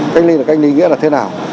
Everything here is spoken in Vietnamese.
cách ly là cách ly nghĩa là thế nào